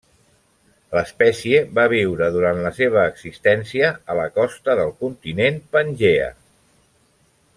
L'espècie va viure durant la seva existència a la costa del continent Pangea.